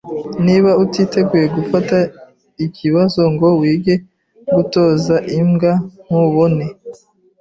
Niba utiteguye gufata ikibazo ngo wige gutoza imbwa, ntubone.